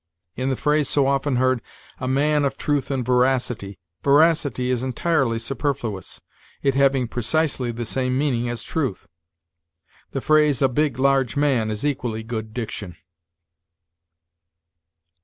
In the phrase so often heard, "A man of truth and veracity," veracity is entirely superfluous, it having precisely the same meaning as truth. The phrase, "A big, large man," is equally good diction.